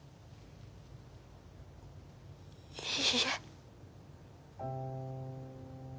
いいえ。